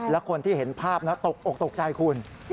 และคนที่เห็นภาพตกใจคุณ